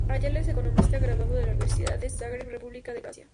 Ayala es economista graduado en la Universidad de Zagreb, República de Croacia.